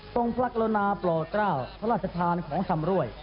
ทรงพลักษณ์ละนะโปรเตราทรัฐชธรรมของสำรวย